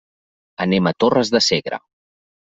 Anem a Torres de Segre.